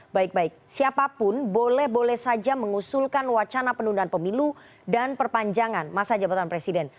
baik baik siapapun boleh boleh saja mengusulkan wacana penundaan pemilu dan perpanjangan masa jabatan presiden